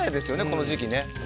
この時期ね。